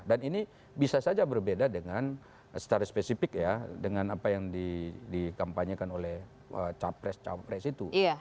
dan ini bisa saja berbeda dengan secara spesifik ya dengan apa yang dikampanyekan oleh capres capres itu